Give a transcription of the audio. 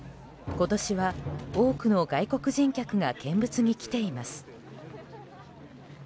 今年は、多くの外国人客が見物に来ています。